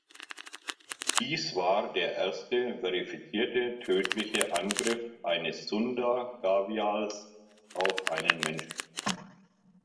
Dies war der erste verifizierte tödliche Angriff eines Sunda-Gavials auf einen Menschen.